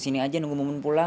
saya juga benar benar gembira